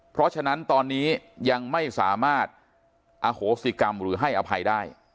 เพราะฉะนั้นตอนนี้ยังไม่สามารถอโหสิกรรมหรือให้อภัยได้